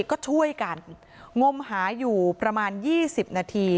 ก็ช่วยกันงมหาอยู่ประมาณ๒๐นาที